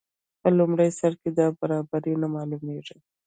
په لومړي سر کې دا برابري نه معلومیږي.